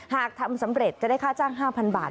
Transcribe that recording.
หากทำสำเร็จจะได้ค่าจ้าง๕๐๐บาท